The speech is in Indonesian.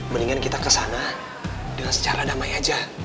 mendingan kita kesana dengan secara damai aja